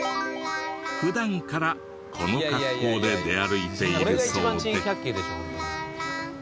普段からこの格好で出歩いているそうで。